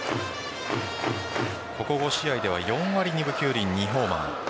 ここ５試合では４割２分９厘２ホーマー。